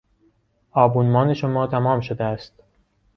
آبونمان شما تمام شده است.